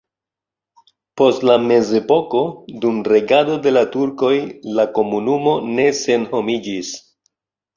Post la mezepoko dum regado de la turkoj la komunumo ne senhomiĝis.